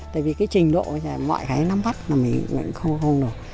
tại vì cái trình độ mọi cái nắm bắt mà mình cũng không được